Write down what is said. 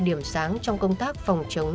điểm sáng trong công tác phòng chống